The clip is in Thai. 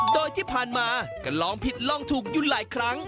โดยที่ผ่านมาก็ลองผิดลองถูกยุ่นหลายครั้ง